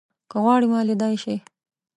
که غواړې ما ليدای شې